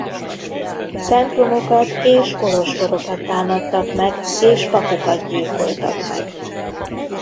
Templomokat és kolostorokat támadtak meg és papokat gyilkoltak meg.